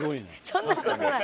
そんな事ない。